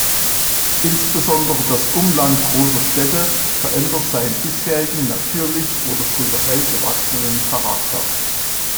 Insbesondere das Umland großer Städte verändert seinen bisherigen natürlich oder kulturell gewachsenen Charakter.